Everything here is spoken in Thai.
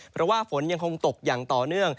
เพราะว่าฝนยังคงตกอย่างต่อเนื่อง